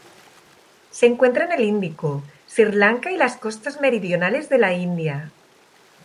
Se encuentra en el Índico: Sri Lanka y las costas meridionales de la India.